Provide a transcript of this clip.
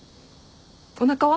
おなかは？